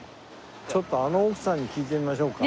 ちょっとあの奥さんに聞いてみましょうか。